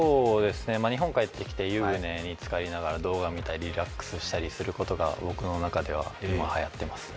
日本に帰ってきて湯船につかりながら動画を見てリラックスすることが僕の中でははやってますね。